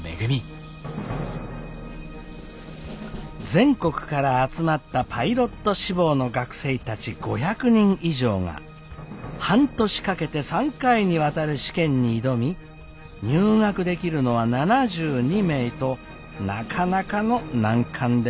全国から集まったパイロット志望の学生たち５００人以上が半年かけて３回にわたる試験に挑み入学できるのは７２名となかなかの難関です。